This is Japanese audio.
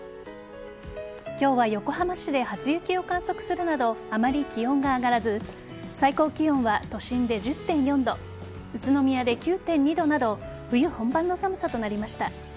今日は横浜市で初雪を観測するなどあまり気温が上がらず最高気温は都心で１０．４度宇都宮で９．２度など冬本番の寒さとなりました。